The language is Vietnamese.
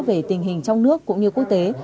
về tình hình trong nước cũng như quốc tế